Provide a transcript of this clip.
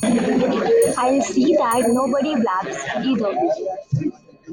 I’ll see that nobody blabs, either.